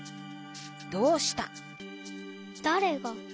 「どうした」？